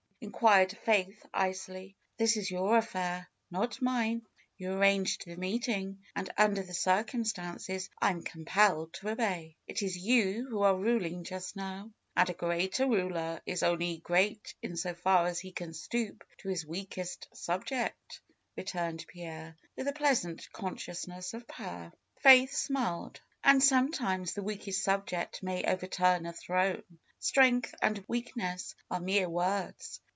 '^ inquired Faith icily. "This is your affair, not mine. You arranged the meeting, and under the circumstances I am compelled to obey. It is you who are ruling just now." "And a great ruler is only great in so far as he can stoop to his weakest subject," returned Pierre, with a pleasant consciousness of power. Faith smiled. "And sometimes the weakest subject may overturn a throne. Strength and weakness are mere words.